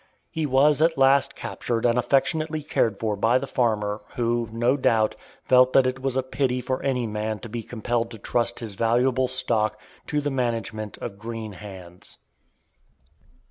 He was at last captured and affectionately cared for by the farmer, who, no doubt, felt that it was a pity for any man to be compelled to trust his valuable stock to the management of green hands.